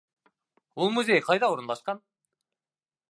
Ул музей ҡайҙа урынлашҡан?